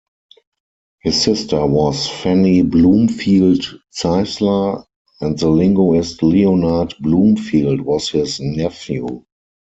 His sister was Fannie Bloomfield Zeisler, and the linguist Leonard Bloomfield was his nephew.